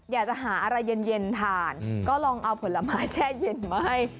อยากจะหาอะไรเย็นทานก็ลองเอาผลไม้แช่เย็นมาให้